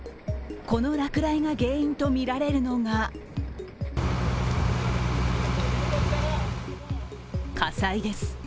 この落雷が原因とみられるのが火災です。